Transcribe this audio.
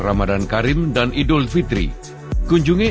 sama sama bu sri din